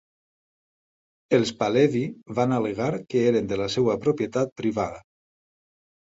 Els Pahlevi van al·legar que eren de la seva propietat privada.